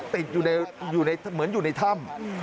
ติดอยู่ใน๑๙๓๙ปีเหมือนอยู่ในถ้ำ